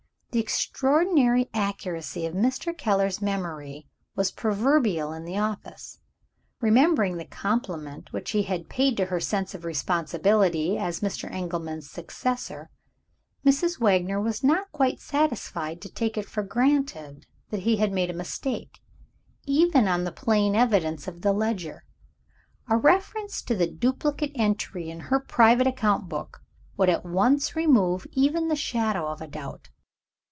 The extraordinary accuracy of Mr. Keller's memory was proverbial in the office. Remembering the compliment which he had paid to her sense of responsibility as Mr. Engelman's successor, Mrs. Wagner was not quite satisfied to take it for granted that he had made a mistake even on the plain evidence of the ledger. A reference to the duplicate entry, in her private account book, would at once remove even the shadow of a doubt.